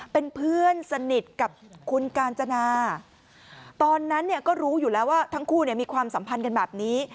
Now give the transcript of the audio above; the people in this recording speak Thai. เป็นเพื่อนสนิทกับคุณกาญจนาตอนนั้นเนี่ยก็รู้อยู่แล้วว่าทั้งคู่มีความสัมพันธ์กันแบบนี้